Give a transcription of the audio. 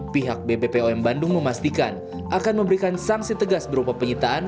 pihak bbpom bandung memastikan akan memberikan sanksi tegas berupa penyitaan